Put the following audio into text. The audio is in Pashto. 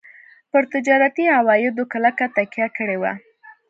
پر تجارتي عوایدو کلکه تکیه کړې وه.